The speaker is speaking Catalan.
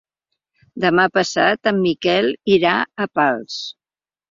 Demà passat en Miquel irà a Pals.